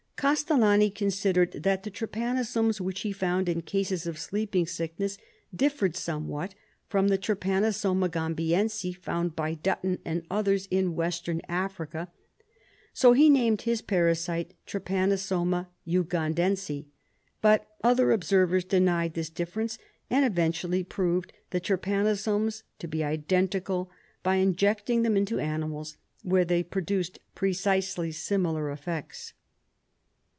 Castellani considered that the trypanosomes which he found in cases of sleeping sickness differed somewhat from the Trypanosoma gamhiense found by Dutton and others in Western Africa, so he named his parasite Trypanosoma ugandense, but other observers denied this difference, and eventually proved the trypanosomes to be identical by inject ing them into animals, where they produced precisely similar effects.